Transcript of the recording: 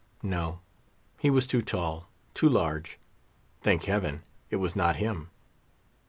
No; he was too tall—too large. Thank Heaven! it was not him.